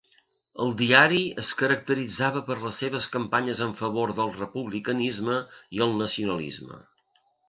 El diari es caracteritzava per les seves campanyes en favor del republicanisme i el nacionalisme.